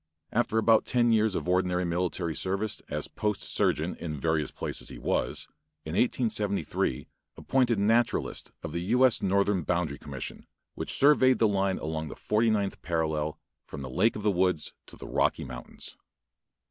After about ten years of ordinary military service as post surgeon in various places he was, in 1873, appointed naturalist of the U.S. northern boundary commission, which surveyed the line along the forty ninth parallel from the Lake of the Woods to the Rocky mountains.